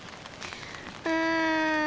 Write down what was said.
うん。